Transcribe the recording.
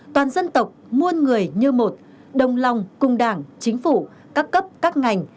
toàn dân tộc muôn người như một đồng lòng cùng đảng chính phủ các cấp các ngành